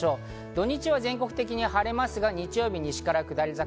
土日は全国的に晴れますが、日曜日は西から下り坂。